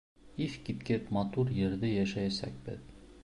Иҫ киткес матур ерҙә йәшәйәсәкбеҙ.